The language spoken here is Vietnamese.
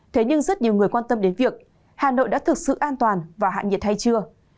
thế nhưng rất nhiều người quan tâm đến việc hà nội đã thực sự an toàn và hạ nhiệt hay chưa